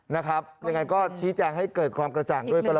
ยังไงก็ชี้แจงให้เกิดความกระจ่างด้วยก็แล้ว